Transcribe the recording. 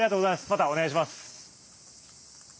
またお願いします。